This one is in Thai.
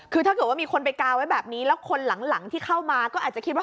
คือถ้าเกิดว่ามีคนไปกาไว้แบบนี้แล้วคนหลังที่เข้ามาก็อาจจะคิดว่า